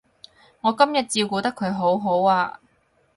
我今日照顧得佢好好啊